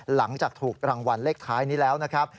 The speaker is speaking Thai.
หลังจากถูกรางวัลเลขท้ายนี้แล้วนะครับ